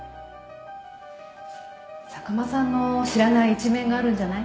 坂間さんの知らない一面があるんじゃない？